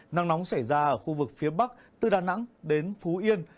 nắng nóng xảy ra ở khu vực phía bắc từ đà nẵng đến phú yên